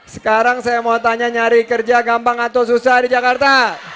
sekarang saya mau tanya nyari kerja gampang atau susah di jakarta